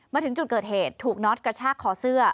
มาถึงจุดเกิดเหตุถูกน็อตกระชากคอเสื้อ